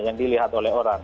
yang dilihat oleh orang